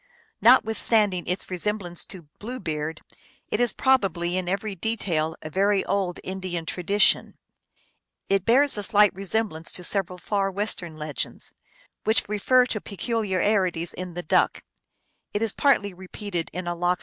Notwith standing its resemblance to Blue Beard, it is probably in every detail a very old Indian tradition. It bears a slight resemblance to several far western legends, which refer to peculiarities in the duck.